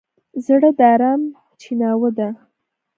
زړه د ارام چیناوه ده.